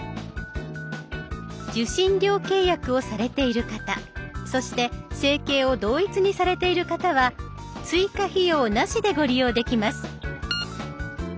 受信料契約をされている方そして生計を同一にされている方は追加費用なしでご利用できます。